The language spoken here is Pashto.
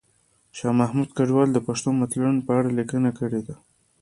شاه محمود کډوال د پښتو متلونو په اړه لیکنه کړې ده